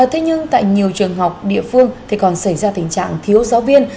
thế nhưng tại nhiều trường học địa phương thì còn xảy ra tình trạng thiếu giáo viên